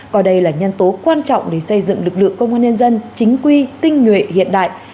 coi đây là nhân tố quan trọng để xây dựng lực lượng công an nhân dân chính quy tinh nguyện hiện đại